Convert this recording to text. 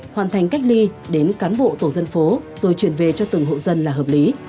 hoàn thành cách ly đến cán bộ tổ dân phố rồi chuyển về cho từng hộ dân là hợp lý